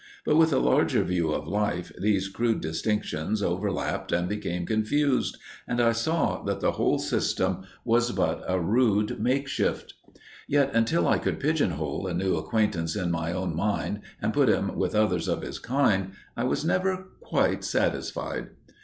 But with a larger view of life these crude distinctions overlapped and became confused, and I saw that the whole system was but a rude makeshift. Yet until I could pigeon hole a new acquaintance in my own mind and put him with others of his kind I was never quite satisfied.